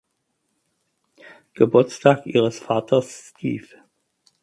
Geburtstag ihre Vaters Steve.